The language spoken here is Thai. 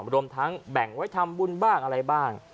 รวมทั้งแบ่งไว้ทำบุญบ้างอะไรบ้าง